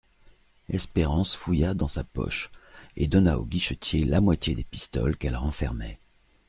Espérance fouilla dans sa poche et donna au guichetier la moitié des pistoles qu'elle renfermait.